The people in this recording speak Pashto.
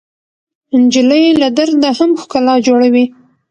نجلۍ له درد نه هم ښکلا جوړوي.